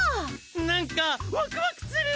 なんかワクワクする！